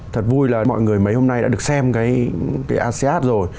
thật vui là mọi người mấy hôm nay đã được xem cái asean rồi